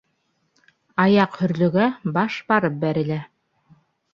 Аяҡ һөрлөгә, баш барып бәрелә.